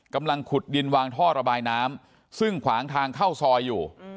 กำลังขุดดินวางท่อระบายน้ำซึ่งขวางทางเข้าซอยอยู่